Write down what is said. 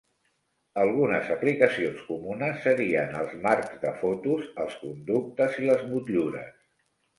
Algunes aplicacions comunes serien els marcs de fotos, els conductes i les motllures.